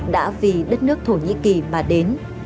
đã vì đất nước thổ nhĩ kỳ mà đến